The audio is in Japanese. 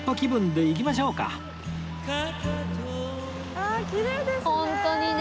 ああきれいですね！